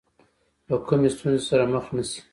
له کومې ستونزې سره مخ نه شي.